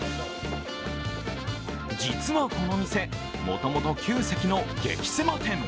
実はこの店、もともと９席の激せま店。